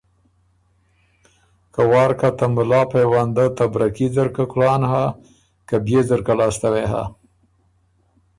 که وار کَۀ، ته مُلا پېونده ته بره کي ځرکه کُلان هۀ که بيې ځرکۀ لاسته وې هۀ۔